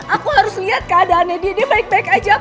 aku harus lihat keadaannya dia dia baik baik aja apa enggak